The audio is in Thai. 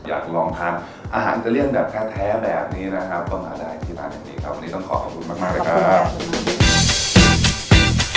อยากลองทานอาหารเตรียมแบบค่าแท้แบบนี้นะครับก็มาได้ที่ร้านแบบนี้ครับ